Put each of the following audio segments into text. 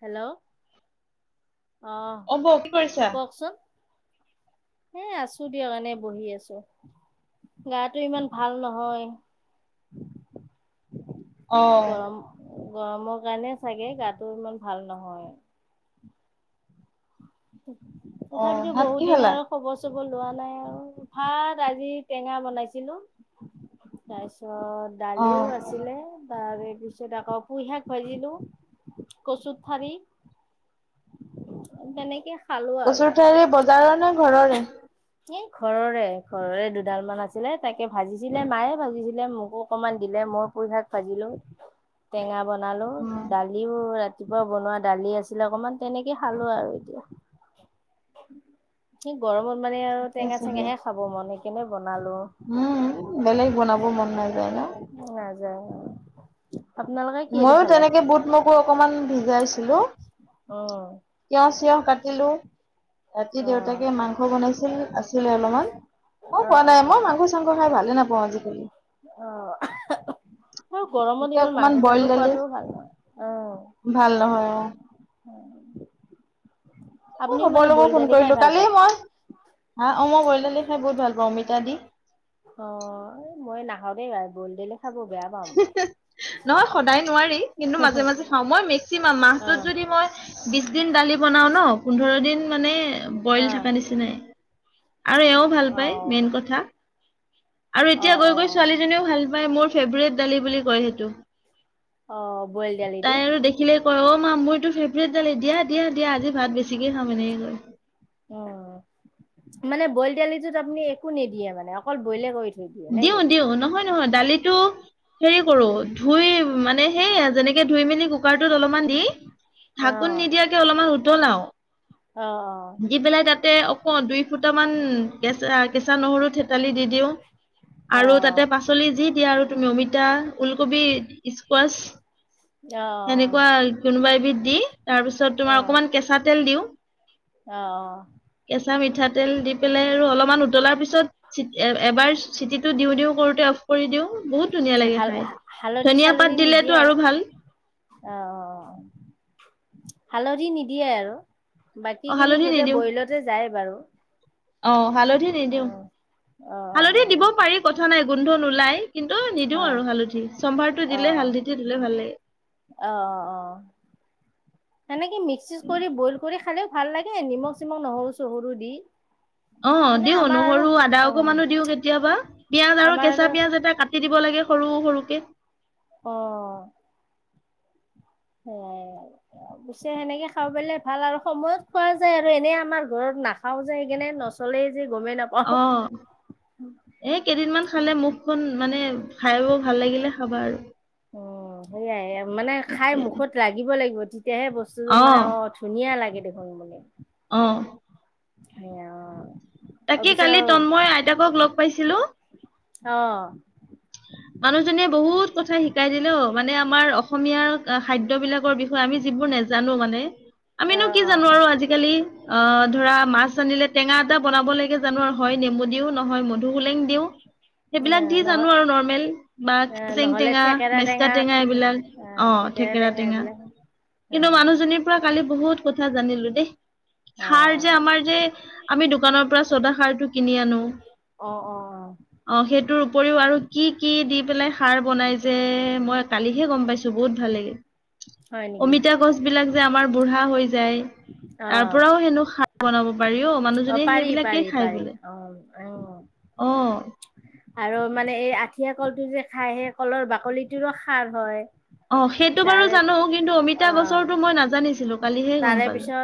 Hello. অ, বোঁ কি কৰিছা? কওকচোন এ, আছো দিয়া কাৰণে বহি আছো গাটো ইমান ভাল নহয়। [unintelligible] আহ। গৰম গৰমৰ কাৰণে চাগে গাটো ইমান ভাল নহয়। অ তথাপিতো ভাত বহুত কি দিন খালা? আৰু খবৰ-চবৰ- লোৱা নাই আৰু ভাত আজি টেঙা বনাইছিলোঁ। তাৰ অ অ দালিও আছিলে। তাৰ তাৰপিছত আকৌ পুইশাক ভাজিঁলো, কচুৰ ঠাৰি। তেনেকে। খালো আৰু কচুৰ ঠাৰি বজাৰৰ নে ঘৰৰে? এ, ঘৰৰে। ঘৰৰে দুডাল মান আছিলে তাকে ভাজিছিলে মায়ে ভাজিছিলে মোকো অকনমান দিলে। মই পুই শাক ভাজিলো টেঙা বনালো অ দালিও ৰাতি ৰাতিপুৱা বনোৱা দালি আছিলে অকমান তেনেকে খালো আৰু এতিয়া। সেই গৰমত মানে আৰু ঠিকে আছে দিয়া। টেঙা-চেঙাহে খাব মন একনে বন উম, বেলেগ বনাব মন ন যায় ন? নাযায়। আপোনালোকে কিহেদি মইও খালে? তেনেকে বুট মকো অকমান ভিজাইছিলো। উম তিঁয় চিয়হ কাটিলো। ৰাতি- অ দেউতাকে মাংস বনাইছিল আছিলে অলপমান। মই অ খোৱা অ নাই মই মাংস-চাংস খাই ভালে নাপাওঁ আজিকালি। অ। আৰু গৰমত এতিয়া ইমান অকমান বইল মাংস-চাংস দালি খোৱাাতটোও ভাল নহ আহ। ভাল নহয় অ। উম। খবৰ লব ফোন দালি খাই কৰিলো ভাল কালি পায়? মই আহ অ, মই গলো। দালি খাই বহুত ভাল পাওঁ অমিতা দি। অ, মই নাখাওঁ দেই দাইল বইল কৰিলে বেয়া পাওঁ। নহয় সদায় নোৱাৰি। কিন্তু, মাজে-মাজে খাওঁ। মই মেক্সিমাম মাহটোত যদি মই বিশ দিন দালি বনাও ন পোন্ধৰ দিন মানে বইল থকা নিচি নাই। আৰু এওঁও ভাল অ অ পায়, মেইন কথা। আৰু অ এতিয়া গৈ অ গৈ ছোৱালীজনীও ভাল পায়। মোৰ ফেভৰেট দালি বুলি কয় সেইটো। অ অ বইল দালিটো তাই আৰু দেখিলে কয় অ, মা মোৰতো ফেভটালি দিয়া দিয়া দিয়া আজি ভাত বেছিকে খাম এনেকে কয়। অহ, মানে বইল দালিটোত আপুনি একো নিদিয়ে মানে অকল বইলে কৰি থয়? দিওঁ দিওঁ। নহয়, নহয় দালিতো হেৰি কৰো ধুই মানে সেইয়া যেনেকে ধুই মেলি কুকাৰটোত অলপমান দি ঢাকোন অ', নিদিয়াকে অলপমান উতলাও। অ। শিকি পেলাই তাতে অক দুই ফুটামান কেঁচা কেঁচা নহৰু থেতালি দি দিওঁ। আৰু তাতে অ', পাচলি যি দিয়া আৰু তুমি অমিতা, ওলকবি। স্কোৱাচ। অ', সেনেকুৱা কোনোবা এবিধ দি তাৰপিছত তোমাৰ অকমান কেঁচা তেল দিওঁ। অহ অ। কেঁচা মিঠাতেল দি পেলাই আৰু অলপমান উতলাৰ পিছত এবাৰ চিটিটো দিও দিও কৰোতে অফ কৰি দিওঁ। বহুত ধুনীয়া লাগে হাল খাই। ধনিয়া পাত দিলেতো আৰু ভাল। অ অ অ অ হালধি নিদিয়ে আৰু। বাকী অ খিনি হালধি গোতে নিদিওঁ বইলতে যায় বাৰু অ হালধি নিদিওঁ অ', অ', হালধি দিব পাৰি কথা নাই গোন্ধ নোলাই কিন্তু নিদিও অ', আৰু হালধি চম্ভাৰটো অ', দিলে হালধিটো দিলে ভাল লাগে। অ অ অ সেনেকে মিক্সি কৰি বইল কৰি খালেও ভাল লাগে নিমখ চিমখ নহৰু চহৰু দি অ মানে দিও আমাৰ আৰু নহৰু আদা অ', অকমানো দিও কেতিয়াবা পিয়াজ আৰু আমাৰ কেঁচা পিয়াজ এটা কাট দিব লাগে সৰু সৰুকে অ পিছে সেনেকে খাব পৰিলে ভাল আৰু সময়ত খোৱা যায় আৰু এনে আমাৰ ঘৰত নাখাও যে সেইকাৰণে নচলেই। যে গমেই নাপাওঁ। অ এ কেইদিনমান খালে মুখখন মানে। খাই বই ভাল লাগিলে খাবা আৰু অ সেয়াই মানে খাই তাকে মুখত লাগিব লাগিব তেতিয়াহে বস্তুটোৰ মানে অ ধুনীয়া লাগে দেখোন অ সে অ তাকে কালি অবিচেয় তন্ময় আইতাকক লগ পাইছিলো অহ মানুহজনীয়ে বহুত কথা শিকাই দিলেও মানে আমাৰ অসমীয়াৰ খাদ্য বিলাকৰ বিষয়ে আমি বোৰ নাজানো মানে আমিনো অ কি অ জানো আৰু আজিকালি অ ধৰা মাছ আনিলে টেঙা এটা বনাব লাগে জানো আৰু হয় নেমু দিও নহ- মধুহুলেং দিওঁ এ সেইবিলাক দি নহ জানো আৰু নৰ্মেল বা এ কেচেং নহ'লে টেঙা থেকেৰা মেচকা টেঙা থাকে এইবিলাক অ থেকেৰা টেঙা এইবিলাক অ কিন্তু মানুহজনীৰ পৰা কালি বহুত কথা জানিলো দেই। অ খাৰ যে আমাৰ যে আমি দোকানৰ পৰা চদা খাৰটো কিনি আনো অ অ অ অ সেইটোৰ উপৰিও আৰু কি কি দি পেলাই খাৰ বনাই যে মই কালিহে গম পাইছো বহুত ভাল লাগে। হয় নেকি অমিতা গছ বিলাক যে আমাৰ বুঢ়া হৈ যায়। অ তাৰ পৰাও হেনো খাৰ বনাব পাৰি অ মানুহজনীয়ে পাৰি পাৰি সেইবিলাকেই খাই পাৰি বোলে। অ অ অ আৰু মানে এই আঠিয়া কলটো যে খাই সেই কলৰ বাকলিটোৰো খাৰ হয়। অ সেইটো বাৰু তাৰে জানো কিন্তু অ অমিতা গছৰটো মই নাজানিছিলো কালিহে গম পালোঁ।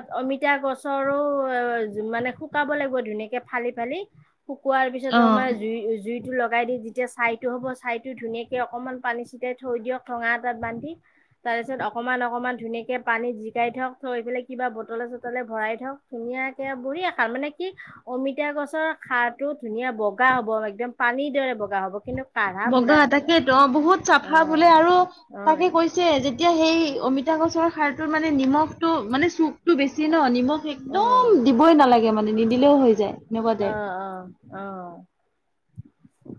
আ গছৰো অ যিমানে শুকাব লাগিব ধুনীয়াকে ফালি ফালি শুকোৱাৰ পিছত অ মানে জুই জুইটো লগাই দি যেতিয়া ছাইটো হ'ব ছাইটো ধুনীয়াকৈ অকণমান পানী ছিটাই থৈ দিয়ক থোঙা এটাত বান্ধি তাৰ পিছত অকমান অকমান ধুনীয়াকে পানীত জিকাই থক থৈ পেলাই কিবা বটলে চটলে ভৰাই থওঁক ধুনীয়াকে বুঢ়ি এ খাৰ মানে কি অমিতা গছৰ খাৰটো ধুনীয়া বগ- বগা হ'ব একদম পানীৰ দৰে বগা হ'ব কিন্তু কাঢ়া বগা পুৰা থাকে তাকে অ বহুত অ', চাফা বোলে অ', আৰু তাকে কৈছে যেতিয়া সেই অমিতা গছৰ খাৰটো মানে নিমখটো মানে চুকতো বেছি ন নিমখ একদম অ', দিবই নালাগে মানে নিদিলেও হৈ যায় এনেকুৱা অ', যায়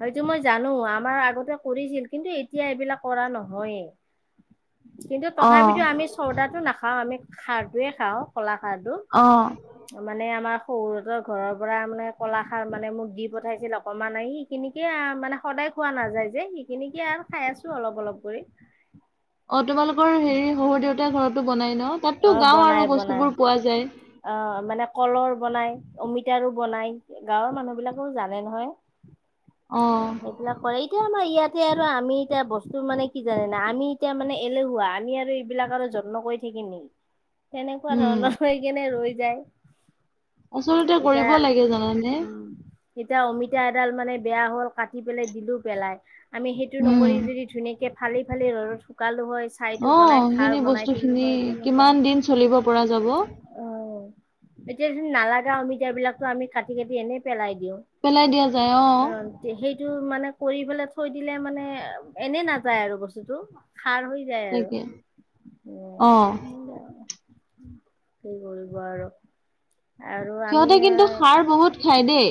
সেইটো মই জানো আমাৰ আগতে কৰিছিল কিন্তু এতিয়া এইবিলাক কৰা নহয়। [inaudible] কিন্তু অ তথাপিতো আমি চৰ্দাটো নাখাও আমি খাৰটোয়ে খাওঁ কলা খাৰটো অ মানে আমাৰ শহুৰহতৰ ঘৰৰ পৰা মানে কলাখাৰ মানে মোক দি পঠাইছিল অকমান আহি সেইখিনিকে মানে সদায় খোৱা নাযায় যে সেইখিনিকে আৰু খাই আছো অলপ অলপ কৰি অ তোমালোকৰ হেৰি শহুৰ দেউতাই ঘৰতো বনাই না অ বনায় বনায় অ মানে কলৰ বনাই অমিতাৰো বনাই গাঁৱৰ মানুহ বিলাকেও জানে নহয় অ সেইবিলাক কৰে এতিয়া আমাৰ। ইয়াতে আৰু আমি এতিয়া বস্তু মানে কি জানা আমি এতিয়া মানে এলেহুৱা আমি আৰু এইবিলাক আৰু যত্ন কৰি? কৈ থিকিম নেকি তেনেকুৱা উম ধৰণৰ হৈ কেনে ৰৈ যায়। আচলতে এতিয়া কৰিব লাগে জানানে? এতিয়া অমিতা এডাল মানে বেয়া হ'ল কাটি পেলাই দিলো পেলাই? আমি সেইটো উম নকৰি যদি ধুনীয়াকে ফালি ফালি ঘৰত শুকালো হয়। ছাই টো অ বনাই খাৰ সেইখিনি বনাই বস্তু থলো খিনি হয় তেনে‌ কিমান দিন চলিব পৰা যাব। এতিয়া নালাগা অমিতাবিলাক ত আমি কাটি কাতি এনেই পেলাই দিওঁ পেলাই দিয়া যায় অ। টো মানে কৰি পেলাই থৈ দিলে মানে এনেই নাযায় আৰু বস্তুতটো? খাৰ হৈ যায় আৰু। তাকে অ কি কৰিব আৰু। আৰু আমি সিহঁতে কিন্তু শাৰ বহুত খায় দেই।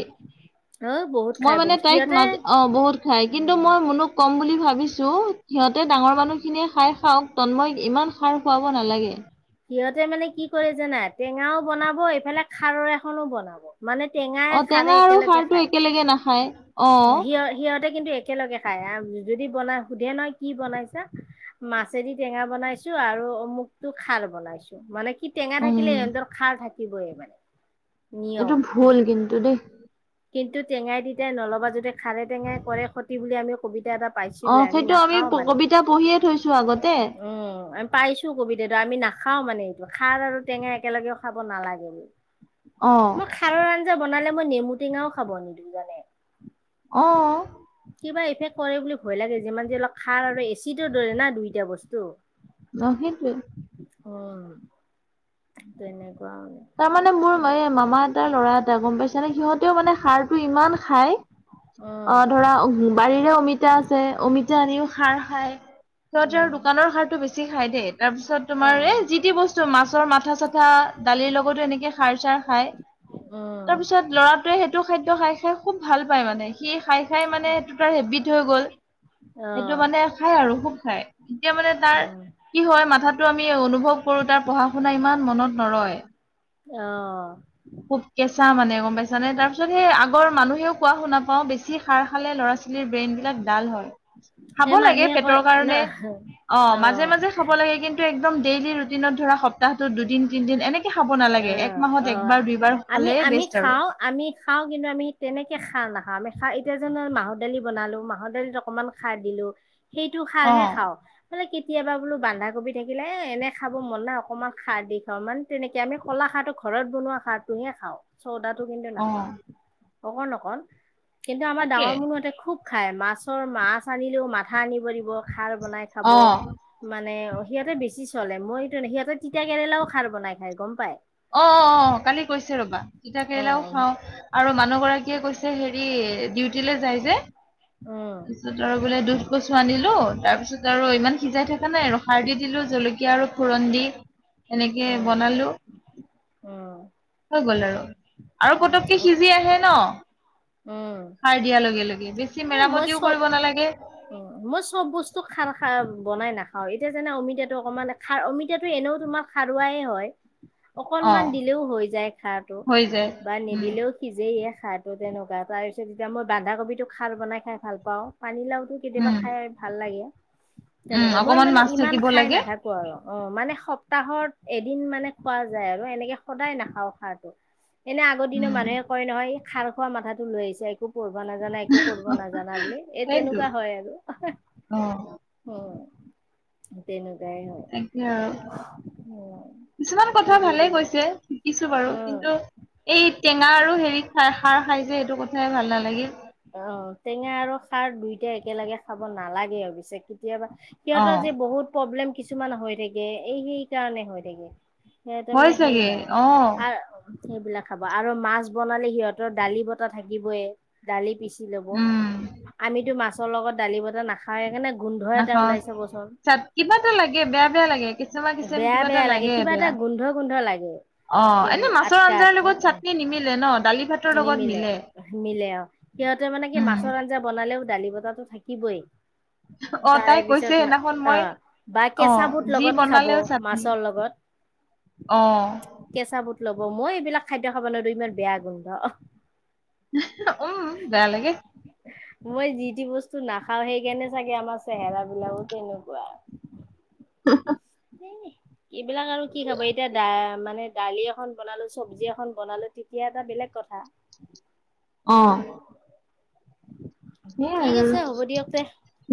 অ বহুত খাই মই মানে বহুত তাইক সিহঁতে মাজ অ বহুত খাই কিন্তু উম মই মোনোক কম বুলি ভাব। ভাবিছো সিহঁতে ডাঙৰ মানুহখিনিয়ে খাই খাওক তন্ময় ইমান শাৰ খুৱাব নালাগে। সিহঁতে মানে কি কৰে জানাই টেঙাও বনাব এইফালে খাৰৰ এখনো বনাব। মানে টেঙাই অ খাৰে টেঙা আৰু একেলগে খাৰটো খায় একেলগে নাখায় অ সিহ সিহঁতে কিন্তু। একেলগে খাই আৰু যদি বনাই সুধে নহয় কি বনাইছা? মাছেদি টেঙা বনাইছো আৰু অমুকটো খাৰ। বনাইছো মানে কি টেঙা থাকিলে উম সিহঁতৰ খাৰ থাকিবই মানে। এইটো নিয়ম ভুল কিন্তু দেই। কিন্তু টেঙাই তিতাই নলবা যদি খাৰে টেঙাই কৰে ক্ষতি বুলি আমি। কবিতা এটা অ পাইছিলোৱে সেইটো আমি নাখাও মানে কবিতা পঢ়িয়ে থৈছো আগতে। উম আমি পাইছো কবিতটো আমি নাখাও মানে এইটো খাৰ আৰু টেঙা একেলগেও খাব নালাগে বোলে। অ মই খাৰৰ আঞ্জা বনালে মই নেমু টেঙাও খাব নিদো জানে আহ হে কৰে বুলি ভয় লাগে যিমান যে অলপ খাৰ আৰু এচিট দৰে না দুইটা বস্তু। নহেটোৱ? উম তেনেকে। তাৰমানে মোৰ এ মামা এটাৰ লৰা এটা গম পাইছানে সিহঁতেও মানে সাৰটো ইমান খাই। অ উম ধৰা বাৰীৰে অমিতা আছে অমিতা আনিও খাৰ খাই। সিহঁতে আৰু উম দোকানৰ শাৰতটো বেছি খাই দেই তাৰ পিছত অ তোমাৰ এ যি টি বস্তু মাছৰ মাথা চাথা। দালিৰ লগতো এনেকৈ সাৰ চাৰ। খাই উম তাৰপিছত লৰাটোৱে সেইটো খাদ্য খাই খাই খুব ভাল পায় মানে। সি খাই খাই মানে সেইটো তাৰ হেবিট হৈ গ'ল। অ সেইটো মানে খাই আৰু খুব খাই এতিয়া মানে তাৰ। উম কি হয় মাথাতো আমি অনুভৱ কৰো তাৰ পঢ়া শুনা ইমান মনত নৰয়। আহ খুব কেঁচা মানে গম পাইছা নে তাৰ পিছত সেই আগৰ মানুহেও কোৱা শুনা। অহ বেছি খাৰ খালে ল'ৰা ছোৱালীৰ ব্ৰেইন বিলাক ডাল হয়। খাব এই লাগে মানুহে কয় পেটৰ ন কাৰণে অ মাজে মাজে খাব লাগে কিন্তু এক। একদম ডেইলি ৰুটিনত ধৰা সপ্তাহটোত দুদিন তিদিন এনেকে খাব অ নালাগে এক মাহত। অ একবাৰ দুইবাৰ আমি খালে আমি বেষ্ট আৰু খাও আমি খাওঁ কিন্তু আমি তেনেকে খাৰ নাখাওঁ? আমি খা এতিয়া জানো মাহৰ দালি বনালো মাহৰ দালিত অকনমান খাৰ দিলো। সেইটো অ খালহে খাওঁ। মানে কেতিয়াবা বোলো বন্ধাকবি থাকিলে এ এনে খাব মন নাই অকণমান খাৰ দিশ। ধ মানে তেনেকে আমি কলা খাৰটো ঘৰত বনোৱা খাৰটোহে খাওঁ চৌদাটো কিন্তু অ নাখাওঁ? অকণ অকণ কিন্তু আমাৰ তাকে ডাঙৰ মানুহঁতে খুব খাই মাছৰ মাছ আনিলেও মাথা আন। কৰিব খাৰ বনাই খাব অ মানে। অ সিহঁতে বেছি চলে মই এইটো নাই সিহঁতে তিতা কেৰেলাও খাৰ বনাই খাই গম পায়। অ অ কালি কৈছে ৰবা তিতা কেৰেলাও উম খাও আৰু মানুহ। গৰাকীয়ে কৈছে হেৰি ডিউটিলে যায় যে। উম তাৰপিছত আৰু বোলে দুধ কচু আনিলো তাৰপিছত আৰু। ইমান সিজাই থকা নাই ৰ সাৰ দি দিলো জলকীয়া আৰু ফুৰন দি এনেকে উম বনালো। উম হৈ গল আৰু আৰু উম পতকে উম সিজি আহে ন। উম সাৰ দিয়া লগে লগে বেছি মেৰামতিও কৰিব নালাগে। অহ মই চব বস্তু খাৰ খাই বনাই নাখাওঁ। এতিয়া যেন অমিতাটো অকমান খাৰ অমিতাটো এনেও তোমাক শাৰুৱাইে হয়। অ অকনমান দিলেও হৈ যায় খাৰটো হৈ যায় বা উম নিদিলেও সিজেই। খাৰটো তেনেকুৱা তাৰ পিছত যেতিয়া মই বন্ধাকবিটো খাল বনাই খাই ভাল পাও পানীলাও। কেতিয়াবা উম খাই ভাল লাগে উম তেনেকুৱা মই অকমান মানে মাছ ইমান থাকিব খাই লাগে নাথাকো আৰু। অ মানে সপ্তাহত এদিন মানে খোৱা যায় আৰু এনেকে সদায় নাখাওঁ সাৰটো। এনে আগৰ দিনৰ উম মানুহে কয় নহয় এই খাৰ খোৱা মাথাটো লৈ আহিছে একো। কৰিব নাজানা একো কৰিব নাজানা বুলি এই সেইটো তেনেকুৱা হয় আৰু অ উম! তেনে। তাকে আৰু। উম! কিছুমান কি কথা ভালে কৰিব কৈছে শিকিছোঁ বাৰু উম। কিন্তু। এই টেঙা আৰু হেৰিত খাৰ খাই যে এইটো কথা। অ টেঙা আৰু খাৰ দুইটা একেলগে খাব নালাগে অৱশ্যে। কেতিয়াবা অ সিহঁতৰ যে বহুত প্ৰব্লেম কিছুমান হৈ থাকে এই সেই কাৰণে হৈ থাকে। সেই তাৰ হয় মানে হেই চাগে নাই অ আ। সেইবিলাক খাব আৰু মাছ বনালে সিহঁতৰ দালি বনোৱা থাকিবই দালি পিচ। লব উম আমিতো মাছৰ লগত দালি বতাহ নাখায়ে কাৰণে। গোন্ধ এটা নাখাওঁ ওলাই চাবচোন কিবা এটা লাগে বেয়া বেয়া লাগে কিছেমা কিছেম বেয়া কিবা এটা বেয়া লাগে কিবা বেয়া। এটা গোন্ধ গোন্ধ লাগে। অ এনেই মাছৰ আটকা আঞ্জাৰ আটকা লগত অ চাটনি নিমিলে ন দালি ভাত। নিমিলে, নিমিলে আৰু সিহঁতে মানে কি উম মাছৰ আঞ্জা বনাই। এফালেও দালি বতাহটো থাকিবই। [unintelligible] অ তাৰে তাই কৈছে পিছত সেইদিনাখন মই অ' বা অ কেঁচা বুট যি লগত খাব বনালেও চাটনি। মাছৰ লগত অহ। কেঁচা বুট লব মই এইবিলাক খাদ্য খাবলেটো ইমান বেয়া গোন্ধ পাওঁ। অ বেয়া লাগে। মই যি তি বস্তু নাখাওঁ সেইকাৰণে চাগে আমাৰ চেহেৰা বিলাকো তেনেকুৱা। [unintelligible] এ এইবিলাক আৰু কি খাব এতিয়া দা মানে। দালি এখন বনালো চব্জি এখন বনালো তেতিয়া এটা বেলেগ কথা। অ উম! সেইয়াই ঠিক আৰু আছে হ'ব দিয়ক তে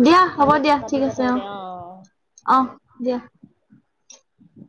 দিয়া কালি কালি থাক দিয় অ। অহ দিয়া। উ!